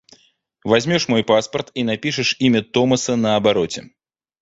Возьмешь мой паспорт и напишешь имя Томаса на обороте.